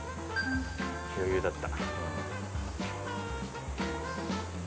余裕だった。